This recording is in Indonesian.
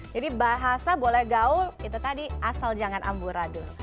jadi bahasa boleh gaul itu tadi asal jangan amburadu